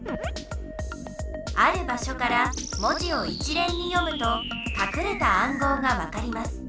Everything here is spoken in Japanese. ある場しょから文字を一連に読むとかくれた暗号が分かります。